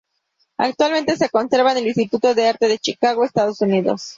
Actualmente se conserva en el Instituto de Arte de Chicago, Estados Unidos.